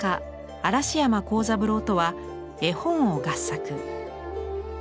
嵐山光三郎とは絵本を合作。